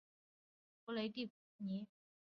弗雷蒂尼。